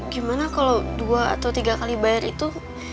gimana kalau dua atau tiga kali bayar itu